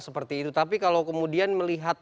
seperti itu tapi kalau kemudian melihat